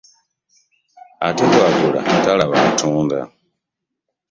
Ate bwaagula talaba atunda ,